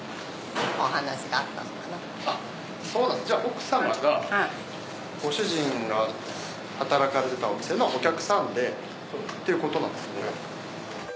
じゃあ奥様がご主人が働かれてたお店のお客さんでっていうことなんですね？